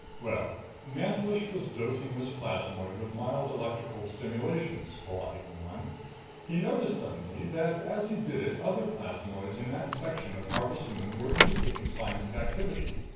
"Well, Mantelish was dosing this plasmoid with mild electrical stimulations," Holati went on. "He noticed suddenly that as he did it other plasmoids in that section of Harvest Moon were indicating signs of activity.